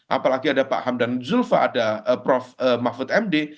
apalagi ada pak hamdan zulfa ada prof mahfud md